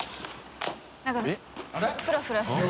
燭フラフラしてる。